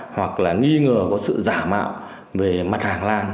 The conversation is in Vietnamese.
hoặc là nghi ngờ có sự giả mạo về mặt hàng lan